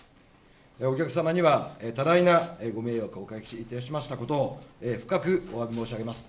お客様には多大なご迷惑をおかけいたしましたことを深くおわび申し上げます。